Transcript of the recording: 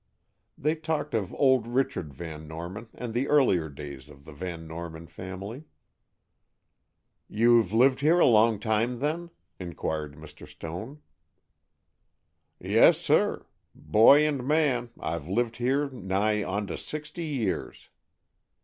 They talked of old Richard Van Norman and the earlier days of the Van Norman family. "You've lived here a long time, then?" inquired Mr. Stone. "Yes, sir. Boy and man, I've lived here nigh onto sixty years."